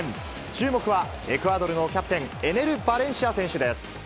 注目はエクアドルのキャプテン、エネル・バレンシア選手です。